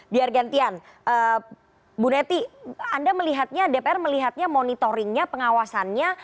bu neti anda melihatnya dpr melihatnya monitoringnya pengawasannya